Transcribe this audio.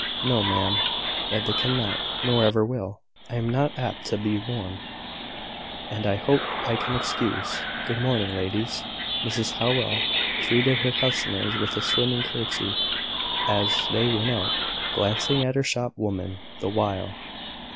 "No, ma'am, that they cannot, nor ever will. I am not apt to be warm, and I hope I can excuse... Good morning, ladies." Mrs Howell treated her customers with a swimming curtsey as they went out, glancing at her shop woman the while.